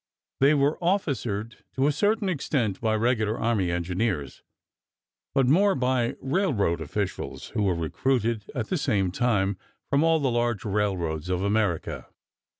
They were officered to a certain extent by Regular Army engineers, but more by railroad officials who were recruited at the same time from all the large railroads of America.